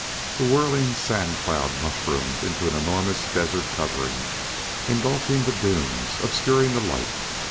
The whirling sand cloud mushroomed into an enormous desert covering, engulfing the dunes, obscuring the light.